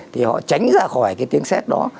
thì họ tránh ra khỏi cái tiếng xét đó